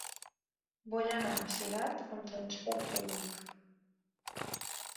Vull anar a Cirat amb transport públic.